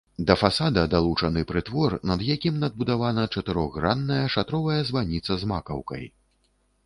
Да фасада далучаны прытвор, над якім надбудавана чатырохгранная шатровая званіца з макаўкай.